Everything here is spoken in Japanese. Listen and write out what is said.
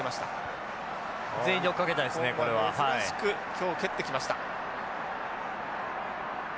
日本珍しく今日蹴ってきました。